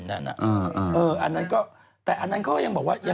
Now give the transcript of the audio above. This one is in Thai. อันนั้นก็แต่อันนั้นเขาก็ยังบอกว่า